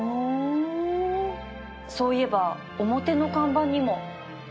そういえば表の看板にも